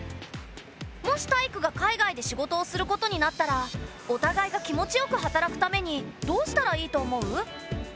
もしタイイクが海外で仕事をすることになったらお互いが気持ちよく働くためにどうしたらいいと思う？